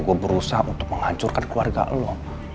gue berusaha untuk menghancurkan keluarga lo